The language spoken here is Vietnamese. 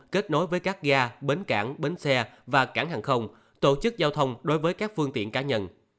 kết nối với các ga bến cảng bến xe và cảng hàng không tổ chức giao thông đối với các phương tiện cá nhân